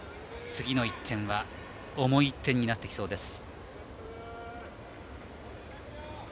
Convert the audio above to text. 次の１点はかなり重い１点になりそうです。